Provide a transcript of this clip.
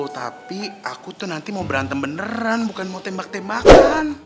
tapi aku tuh nanti mau berantem beneran bukan mau tembak tembakan